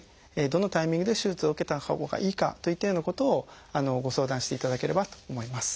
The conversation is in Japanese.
どのタイミングで手術を受けたほうがいいかといったようなことをご相談していただければと思います。